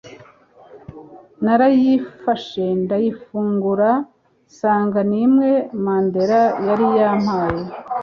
narayifashe ndayifungura nsanga nimwe Mandela yari yampaye